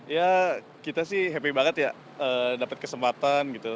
ya kita sih happy banget ya dapat kesempatan gitu